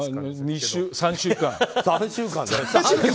３週間。